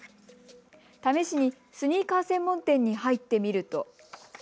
試しにスニーカー専門店に入ってみると。